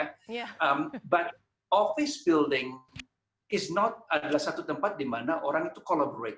tapi pembinaan pejabat bukan satu tempat di mana orang itu berkolaborasi